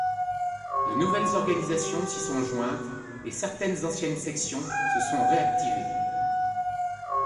De nouvelles organisations s'y sont jointes et certaines anciennes sections se sont réactivées.